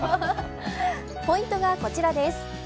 ポイントがこちらです。